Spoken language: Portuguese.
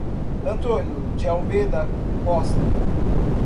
Antônio de Almeida Costa